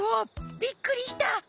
びっくりした！